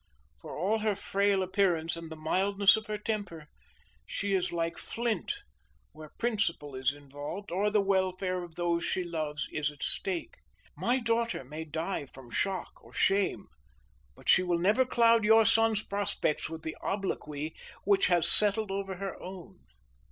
For all her frail appearance and the mildness of her temper, she is like flint where principle is involved or the welfare of those she loves is at stake. My daughter may die from shock or shame, but she will never cloud your son's prospects with the obloquy which has settled over her own.